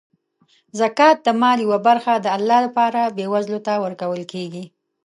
زکات د مال یوه برخه د الله لپاره بېوزلو ته ورکول کیږي.